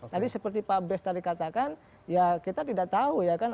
tadi seperti pak bes tadi katakan ya kita tidak tahu ya kan